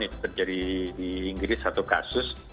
yang terjadi di inggris satu kasus